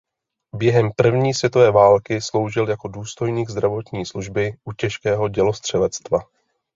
Během první světové války sloužil jako důstojník zdravotní služby u těžkého dělostřelectva.